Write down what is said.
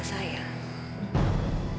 tidak ada foto